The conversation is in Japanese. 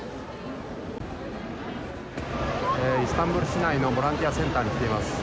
イスタンブール市内のボランティアセンターに来ています。